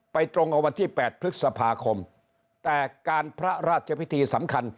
ตรงกับวันที่๘พฤษภาคมแต่การพระราชพิธีสำคัญ